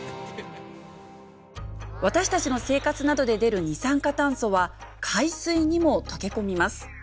私たちの生活などで出る二酸化炭素は海水にも溶け込みます。